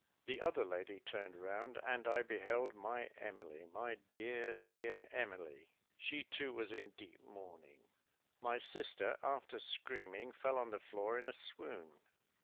The other lady turned round, and I beheld my Emily, my dear, dear Emily: she too was in deep mourning. My sister, after screaming, fell on the floor in a swoon.